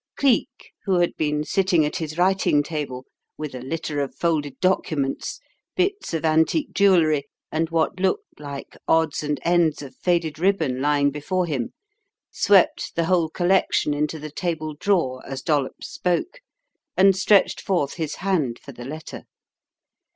Cleek, who had been sitting at his writing table, with a litter of folded documents, bits of antique jewellery, and what looked like odds and ends of faded ribbon lying before him, swept the whole collection into the table drawer as Dollops spoke and stretched forth his hand for the letter.